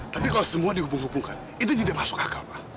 tapi kalau semua dihubung hubungkan itu tidak masuk akal pak